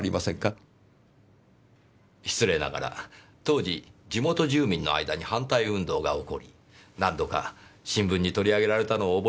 失礼ながら当時地元住民の間に反対運動が起こり何度か新聞に取り上げられたのを覚えています。